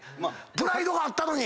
プライドがあったのに。